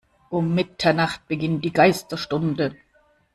Um Mitternacht beginnt die Geisterstunde.